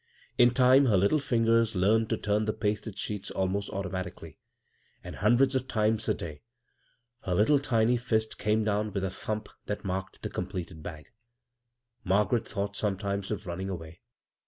In time her little fingers learned to turn the pasted sheets almost automatically ; and hundreds of times a day her tiny litUe fist came down with the thump that marked the completed bag. Margaret thought sometimes of running away.